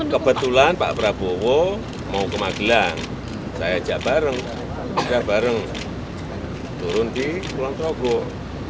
kebetulan pak prabowo mau ke magilan saya ajak bareng turun di pulau trogok